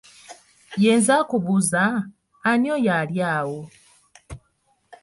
Ye nze akubuuza, ani oyo ali awo?